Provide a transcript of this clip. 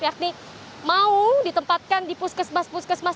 yakni mau ditempatkan di puskesmas puskesmas